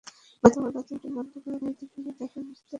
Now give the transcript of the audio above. গতকাল রাতে হোটেল বন্ধ করে বাড়িতে ফিরে দেখেন, বাড়িতে অনেক মানুষের ভিড়।